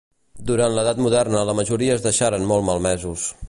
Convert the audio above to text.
Durant l'edat moderna la majoria es deixaren molt malmesos.